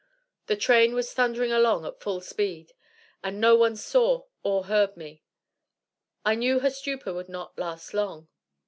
The train was thundering along at full speed, and none saw or heard me. I knew her stupor would not last long.